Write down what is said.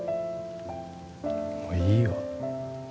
もういいよ